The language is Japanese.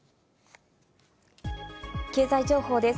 経済情報です。